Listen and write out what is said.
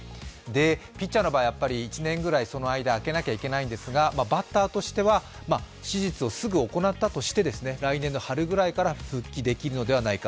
ピッチャーの場合、やはり１年ぐらいその間あけなきゃいけないんですが、バッターとしては手術をすぐに行ったとして来年の春ぐらいから復帰できるのではないか。